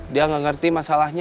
dia gak ngerti masalahnya